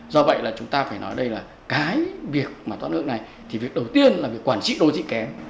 do vậy là chúng ta phải nói đây là cái việc mà thoát nước này thì việc đầu tiên là việc quản trị đô thị kém